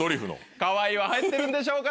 「かわいい」は入ってるんでしょうか？